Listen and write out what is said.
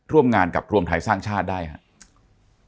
ร่วมงานกับรวมไทยสร้างชาติได้ครับ